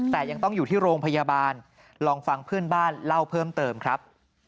แต่ยังต้องอยู่ที่โรงพยาบาลลองฟังเพื่อนบ้านเล่าเพิ่มเติมครับ